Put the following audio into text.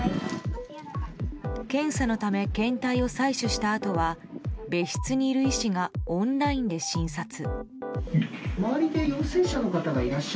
検査のため検体を採取したあとは別室にいる医師がオンラインで診察。